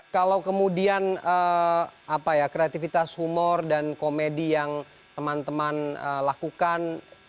kalau kemudian kreativitas humor dan komedi yang teman teman lakukan